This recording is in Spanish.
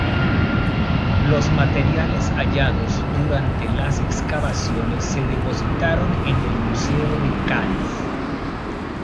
Los materiales hallados durante las excavaciones se depositaron en el Museo de Cádiz.